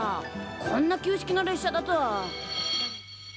こんな旧式の列車だとは。